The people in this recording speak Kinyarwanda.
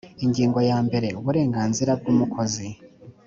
ingingo yambere uburenganzira bw umukozi